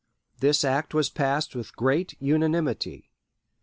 This act was passed with great unanimity.